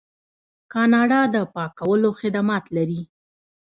کاناډا د پاکولو خدمات لري.